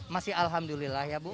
masih alhamdulillah ya bu